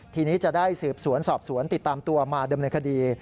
ทีนี้จะได้สืบสวนสอบสวนติดตามตัวมาดำเนินคดี